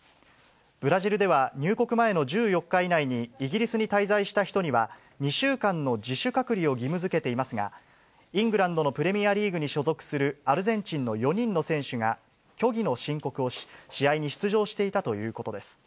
ブラジルでは入国前の１４日以内に、イギリスに滞在した人には、２週間の自主隔離を義務づけていますが、イングランドのプレミアリーグに所属するアルゼンチンの４人の選手が、虚偽の申告をし、試合に出場していたということです。